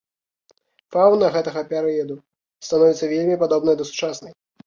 Фаўна гэтага перыяду становіцца вельмі падобнай да сучаснай.